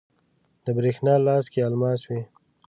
د بریښنا لاس کې الماس وی